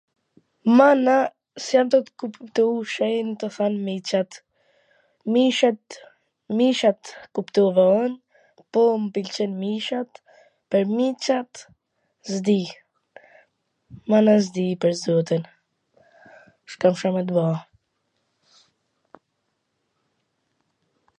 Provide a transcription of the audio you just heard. Mana s jam tu kuptu shenjwn qw kan dal mijshat... kwt, mijshat mijshat kuptova un, po m pwlqen mijshat, pwr mijshat s dij, mana, s di pwr zotin. s ka Ca me t ba.